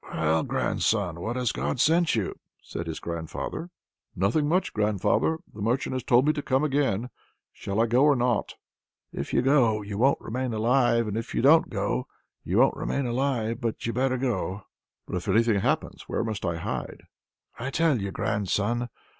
"Well, grandson, what has God sent you?" says his grandfather. "Nothing much, grandfather! The merchant told me to come again. Should I go or not?" "If you go, you won't remain alive, and if you don't go, you won't remain alive! But you'd better go." "But if anything happens where must I hide?" "I'll tell you, grandson.